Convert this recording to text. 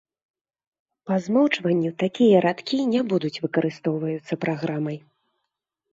Па змоўчванню, такія радкі не будуць выкарыстоўваюцца праграмай.